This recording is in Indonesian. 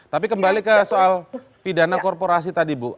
tapi kembali ke soal pidana korporasi tadi bu